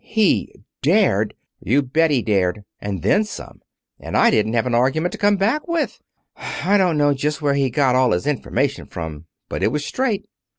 "He dared! " "You bet he dared. And then some. And I hadn't an argument to come back with. I don't know just where he got all his information from, but it was straight."